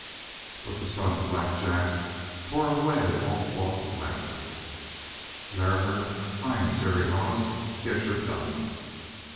But the son of Black Jack tore away all thought of laughter. "Larrimer, I'm Terry Hollis. Get your gun!"